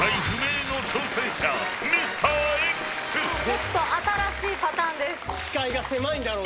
ちょっと新しいパターンです。